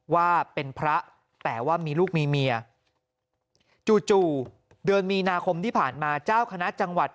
ว่าเป็นพระแต่ว่ามีลูกมีเมียจู่เดือนมีนาคมที่ผ่านมาเจ้าคณะจังหวัด